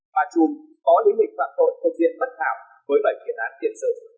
bà trùm có lý mệnh phạm tội thực diện bất thảo với bệnh viện án tiện sự